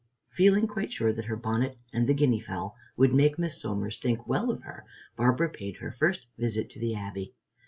Feeling quite sure that her bonnet and the guinea fowl would make Miss Somers think well of her, Barbara paid her first visit to the Abbey.